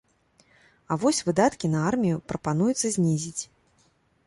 А вось выдаткі на армію прапануецца знізіць.